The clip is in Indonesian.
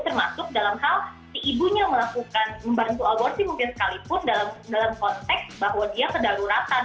termasuk dalam hal si ibunya melakukan membantu aborsi mungkin sekalipun dalam konteks bahwa dia kedaruratan